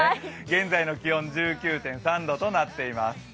現在の気温１９．３度となっています。